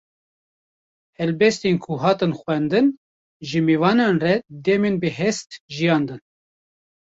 Helbestên ku hatin xwendin, ji mêvanan re demên bi hest jiyandin